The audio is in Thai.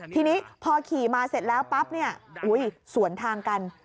ทีนี้พอขี่มาเสร็จแล้วปั๊บเนี่ยสวนทางกัน